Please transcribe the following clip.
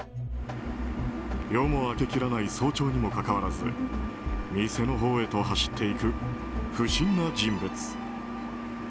夜が明けきらない早朝にもかかわらず店のほうへと走っていく不審な人物。